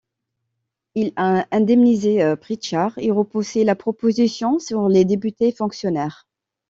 Il a indemnisé Pritchard et repoussé la proposition sur les députés fonctionnaires.